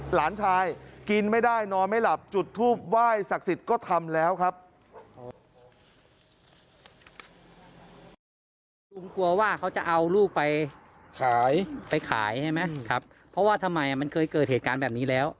หลานชายกินไม่ได้นอนไม่หลับจุดทูปไหว้ศักดิ์สิทธิ์ก็ทำแล้วครับ